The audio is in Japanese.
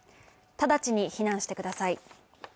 直ちに避難してください。